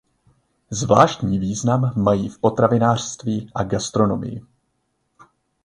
Zvláštní význam mají v potravinářství a gastronomii.